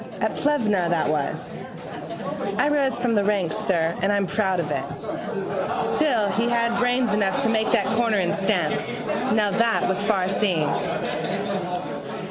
At Plevna that was. I rose from the ranks, sir, and I'm proud of it. Still he had brains enough to make that corner in stamps. Now that was farseeing.